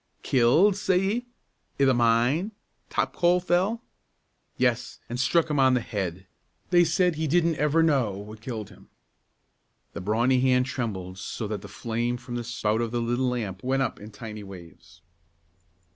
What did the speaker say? "Killed, said ye i' the mine top coal fell?" "Yes, an' struck him on the head; they said he didn't ever know what killed him." The brawny hand trembled so that the flame from the spout of the little lamp went up in tiny waves.